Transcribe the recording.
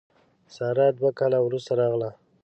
ساره دوه کاله وروسته راغله.